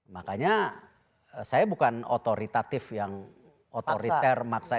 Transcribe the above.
makanya saya bukan otoritatif yang otoriter maksain